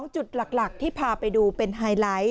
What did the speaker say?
จุดหลักที่พาไปดูเป็นไฮไลท์